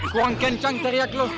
kurang kencang teriak lo